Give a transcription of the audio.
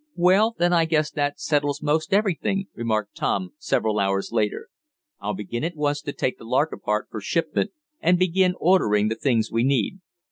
"Well, then I guess that settles most everything," remarked Tom, several hours later. "I'll begin at once to take the Lark apart for shipment, and begin ordering the things we need."